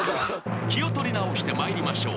［気を取り直して参りましょう。